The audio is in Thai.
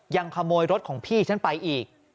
ยังขโมยรถของพี่ฉันไปอีก